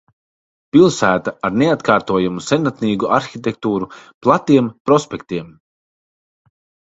Pilsēta ar neatkārtojamu senatnīgu arhitektūru, platiem prospektiem.